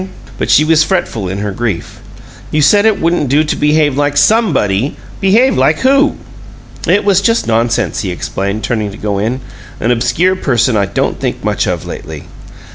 But she was fretful in her grief. "You said it wouldn't do to behave like SOMEBODY. Behave like WHO?" "It was just nonsense," he explained, turning to go in. "An obscure person I don't think much of lately."